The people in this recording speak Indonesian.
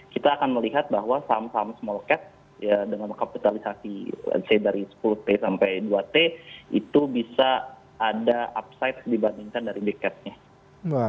kita akan melihat bahwa saham saham small cat dengan mengkapitalisasi dari sepuluh t sampai dua t itu bisa ada upside dibandingkan dari big capnya